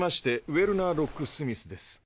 ウェルナー・ロックスミスです。